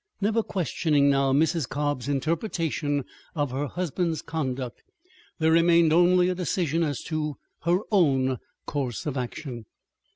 Never questioning now Mrs. Cobb's interpretation of her husband's conduct, there remained only a decision as to her own course of action.